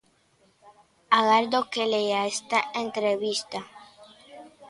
Agardo que lea esta entrevista.